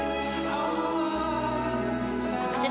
アクセル